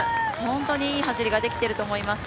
本当にいい走りができていると思います。